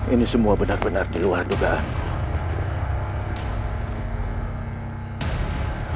ini semua benar benar di luar dugaanku